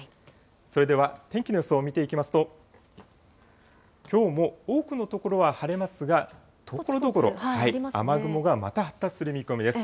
それでは天気の予想を見ていきますと、きょうも多くの所は晴れますが、ところどころ、雨雲がまた発達する見込みです。